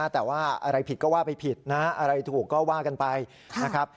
แต่ว่าอะไรผิดก็ว่าไปผิดนะอะไรถูกก็ว่ากันไปนะครับ